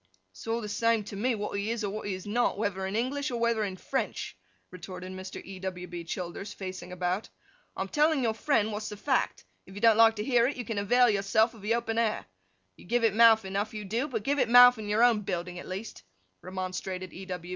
'It's all the same to me what he is or what he is not, whether in English or whether in French,' retorted Mr. E. W. B. Childers, facing about. 'I am telling your friend what's the fact; if you don't like to hear it, you can avail yourself of the open air. You give it mouth enough, you do; but give it mouth in your own building at least,' remonstrated E.